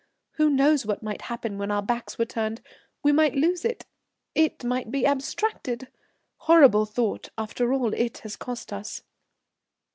Who knows what might happen when our backs were turned? We might lose it it might be abstracted. Horrible thought after all it has cost us."